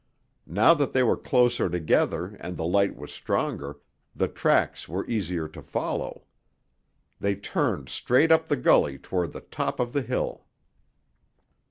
Now that they were closer together and the light was stronger, the tracks were easier to follow. They turned straight up the gully toward the top of the hill.